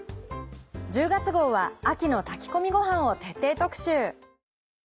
１０月号は秋の炊き込みごはんを徹底特集。